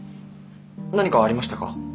何かありましたか？